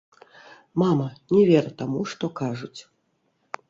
Мама, не вер таму, што кажуць.